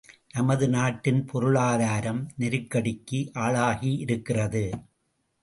நமது நாட்டின் பொருளாதாரம் நெருக்கடிக்கு ஆளாகியிருக்கிறது.